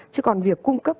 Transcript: chứ còn việc cung cấp